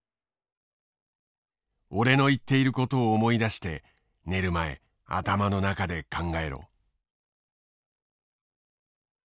「オレの言っていることを思い出してねる前頭の中で考えろ」。